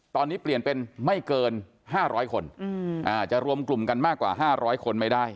ตอนนี้เปลี่ยนเป็นไม่เกินห้าร้อยคนอืมอ่าจะรวมกลุ่มกันมากกว่าห้าร้อยคนไม่ได้